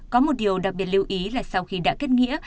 có một điều đặc biệt lưu ý là sau khi đã kết nghĩa